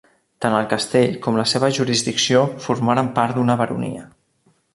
Tant el castell com la seva jurisdicció formaren part d'una baronia.